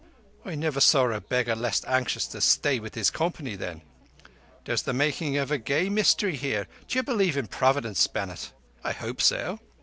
"I never saw a beggar less anxious to stay with his company, then. There's the makings of a gay mystery here. Ye believe in Providence, Bennett?" "I hope so."